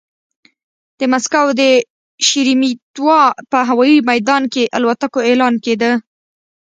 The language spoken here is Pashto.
د مسکو د شېرېمېتوا په هوايي ميدان کې الوتکو اعلان کېده.